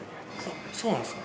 そうなんですか。